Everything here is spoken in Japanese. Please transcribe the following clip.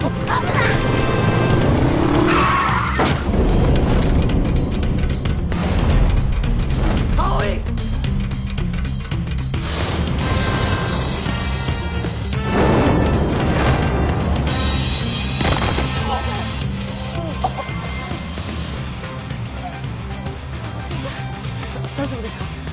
だ大丈夫ですか？